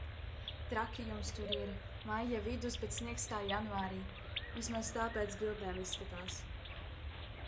Traki jums tur. Maija vidus, bet sniegs kā janvārī. Vismaz tā pēc bildēm izskatās.